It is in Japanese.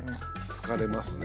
疲れますね。